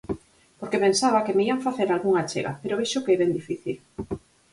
Porque pensaba que me ían facer algunha achega, pero vexo que é ben difícil.